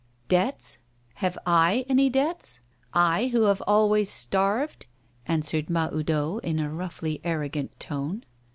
'Debts? Have I any debts, I who have always starved?' answered Mahoudeau in a roughly arrogant tone.